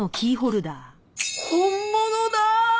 本物だ！